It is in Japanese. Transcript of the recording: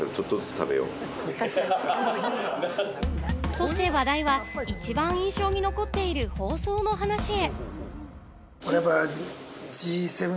そして話題は、一番印象に残っている放送の話へ。